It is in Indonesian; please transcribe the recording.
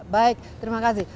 baik terima kasih